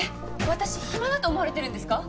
私暇だと思われてるんですか？